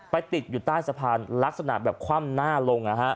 ติดอยู่ใต้สะพานลักษณะแบบคว่ำหน้าลง